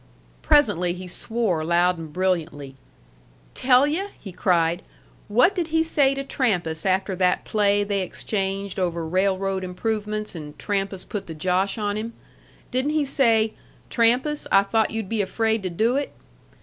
Presently he swore loud and brilliantly. "Tell yu'!" he cried. "What did he say to Trampas after that play they exchanged over railroad improvements and Trampas put the josh on him? Didn't he say, 'Trampas, I thought you'd be afraid to do it?'